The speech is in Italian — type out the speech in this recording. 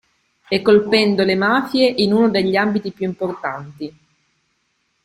E colpendo le mafie in uno degli ambiti più importanti.